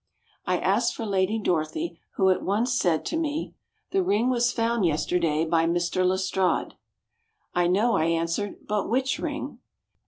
I asked for Lady Dorothy, who at once said to me: "The ring was found yesterday by Mr Lestrade." "I know," I answered, "but which ring?"